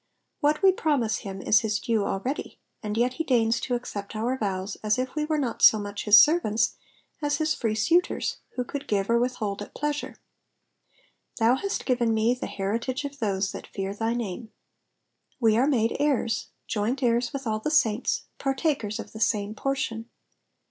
What we promise him is his due already, and yet he deigns to accept our vows as if we were not so much his servants as his free suitors who could give or withhold at pleasure. '''Thou hast given me the heritage of thfBe that fear thy name.''^ We are made heirs, joint heirs with all the saints, partakers of the same portion.